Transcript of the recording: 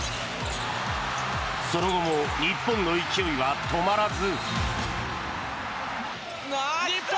その後も日本の勢いは止まらず。